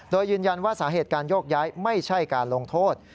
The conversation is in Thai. โดยยืนยันว่าสาเหตุการโยกย้ายไม่ใช่การลงโทษ